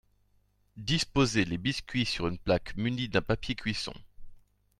Disposez les biscuits sur une plaque munie d’un papier cuisson